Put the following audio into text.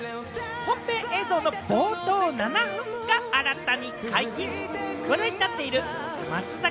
本編映像の冒頭７分が新たに解禁。